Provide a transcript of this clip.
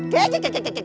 kek kek kek